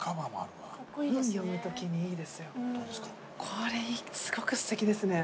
これいいすごくすてきですね。